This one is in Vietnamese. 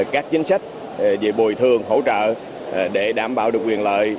các chính sách về bồi thường hỗ trợ để đảm bảo được quyền lợi